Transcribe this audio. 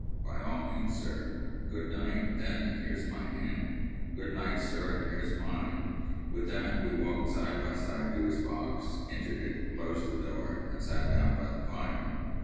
"By all means, sir." "Good night, then, and here's my hand." "Good night, sir, and here's mine." With that we walked side by side to his box, entered it, closed the door, and sat down by the fire.